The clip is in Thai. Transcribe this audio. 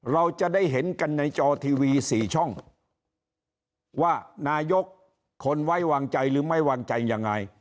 เราจะได้เห็นกันในจอทีวี๔ช่องว่านายกคนไว้วางใจหรือไม่วางใจยังไง